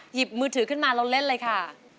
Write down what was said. หยิบมือถือขึ้นมาเราเล่นเลยค่ะ